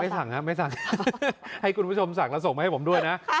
สั่งครับไม่สั่งให้คุณผู้ชมสั่งแล้วส่งมาให้ผมด้วยนะ